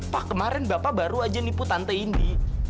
pak kemarin bapak baru aja nipu tante ini